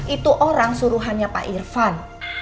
itu orang suruhannya pak irfan